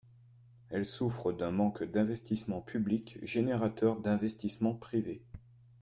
Elle souffre d’un manque d’investissements publics générateurs d’investissements privés.